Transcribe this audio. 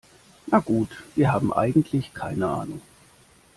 Na gut, wir haben eigentlich keine Ahnung.